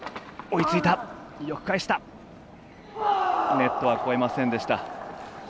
ネットは越えませんでした。